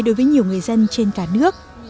đối với nhiều người dân trên cả nước